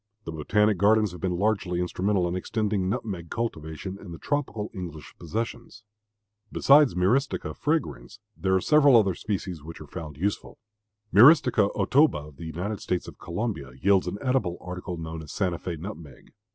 The botanic gardens have been largely instrumental in extending nutmeg cultivation in the tropical English possessions. Besides Myristica fragrans there are several other species which are found useful. M. Otoba of the U. S. of Colombia yields an edible article known as Santa Fé nutmeg.